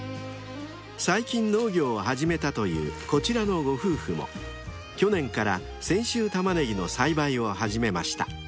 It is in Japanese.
［最近農業を始めたというこちらのご夫婦も去年から泉州たまねぎの栽培を始めました］